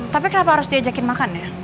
tapi kenapa harus diajakin makan ya